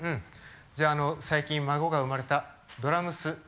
じゃああの最近孫が生まれたドラムス末っ子です。